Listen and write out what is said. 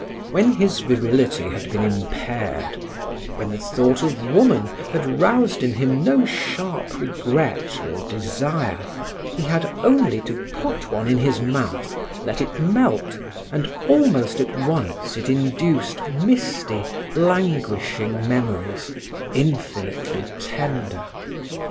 When his virility had been impaired, when the thought of woman had roused in him no sharp regret or desire, he had only to put one in his mouth, let it melt, and almost at once it induced misty, languishing memories, infinitely tender.